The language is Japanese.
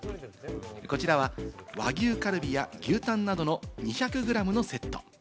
こちらは牛カルビや牛タンなどの２００ｇのセット。